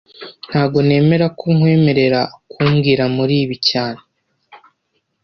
Ntago nemera ko nkwemerera kumbwira muri ibi cyane